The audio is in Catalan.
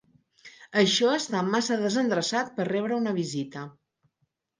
Això està massa desendreçat per rebre una visita.